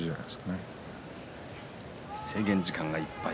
制限時間いっぱい。